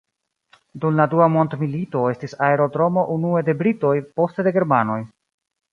Dum la Dua mondmilito estis aerodromo unue de britoj, poste de germanoj.